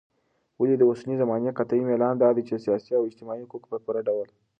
ولي داوسنۍ زماني قطعي ميلان دادى چې سياسي او اجتماعي حقوق په پوره ډول